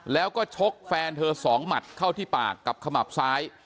แล้วก็ชกแฟนเธอสองหมัดเข้าที่ปากกับขมับซ้าย